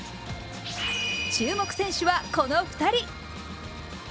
注目選手はこの２人。